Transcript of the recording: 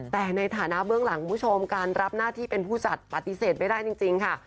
แต่ในฐานะเบื้องหลังคุณผู้ชมการรับหน้าที่เป็นผู้จัดปฏิเสธไม่ได้จริงค่ะ